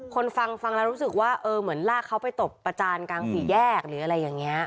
ฟังฟังแล้วรู้สึกว่าเออเหมือนลากเขาไปตบประจานกลางสี่แยกหรืออะไรอย่างนี้